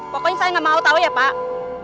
pokoknya saya gak mau tau ya pak